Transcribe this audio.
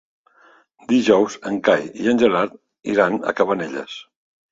Dijous en Cai i en Gerard iran a Cabanelles.